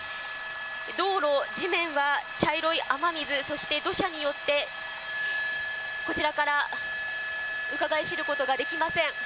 道路、地面は茶色い雨水、そして土砂によって、こちらからうかがい知ることができません。